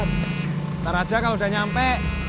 ntar aja kalau udah nyampe